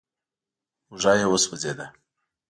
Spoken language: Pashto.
اوږه يې وسوځېده.